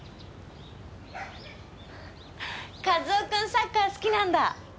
和夫君サッカー好きなんだ？